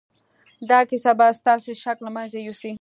دا کیسه به ستاسې شک له منځه یوسي